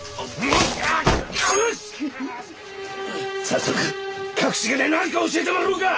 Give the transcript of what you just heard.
早速隠し金の在りかを教えてもらおうか！